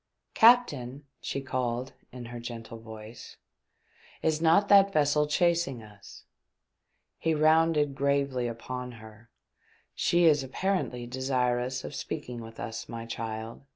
" Captain," she called in her gentle voice, " is not that vessel chasing us T He rounded gravely upon her: "She is apparently desirous of speaking with us, my child.